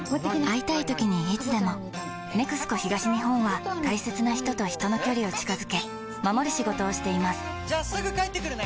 会いたいときにいつでも「ＮＥＸＣＯ東日本」は大切な人と人の距離を近づけ守る仕事をしていますじゃあすぐ帰ってくるね！